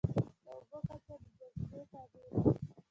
د اوبو کچه د جاذبې تابع ده.